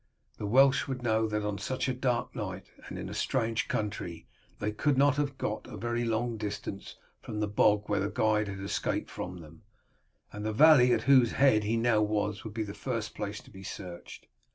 The Welsh would know that on such a dark night, and in a strange country, they could not have got a very long distance from the bog where the guide had escaped from them, and the valley at whose head he now was would be the first place to be searched.